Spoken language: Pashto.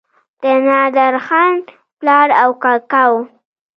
د نادرخان پلار او کاکا وو.